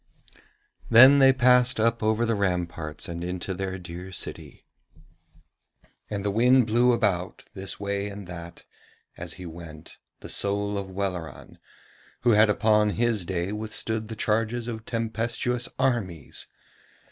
Then they passed up over the ramparts and into their dear city. And the wind blew about, this way and that, as he went, the soul of Welleran who had upon his day withstood the charges of tempestuous armies.